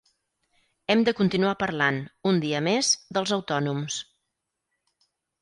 Hem de continuar parlant, un dia més, dels autònoms.